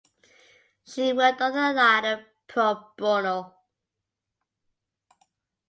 She worked on the latter pro bono.